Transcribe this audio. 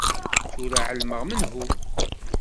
Tura ɛelmeɣ menhu.